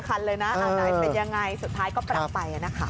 อาจจะเป็นอย่างไรสุดท้ายก็ปรับไปนะฮะ